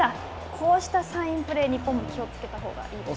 こうしたサインプレーに、日本も気をつけたほうがいいですね。